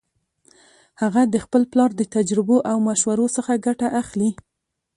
هغه د خپل پلار د تجربو او مشورو څخه ګټه اخلي